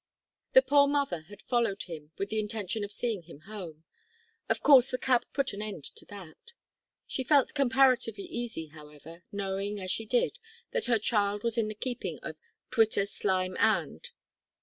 The poor mother had followed him with the intention of seeing him home. Of course the cab put an end to that. She felt comparatively easy, however, knowing, as she did, that her child was in the keeping of "Twitter, Slime and